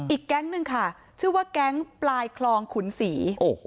อีกแก๊งหนึ่งค่ะชื่อว่าแก๊งปลายคลองขุนศรี